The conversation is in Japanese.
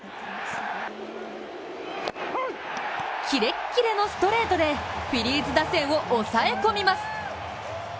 キレッキレのストレートでフィリーズ打線を抑え込みます。